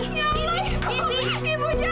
ibu ibu ibu